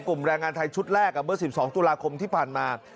กลุ่มแรงงานไทยชุดแรกอ่ะเมื่อสิบสองตุลาคมที่ผ่านมา